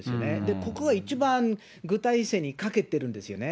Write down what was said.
ここが一番具体性に欠けてるんですよね。